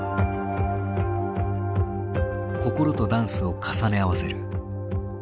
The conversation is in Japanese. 心とダンスを重ね合わせる。